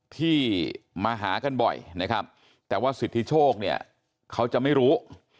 ที่มาหากันบ่อยนะครับแต่ว่าสิทธิโชคเนี่ยเขาจะไม่รู้